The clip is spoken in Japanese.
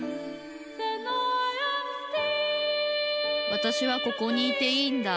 わたしはここにいていいんだ